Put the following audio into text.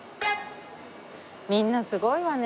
みんなすごいわね